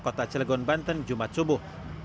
kota cilegon banten jumat subuh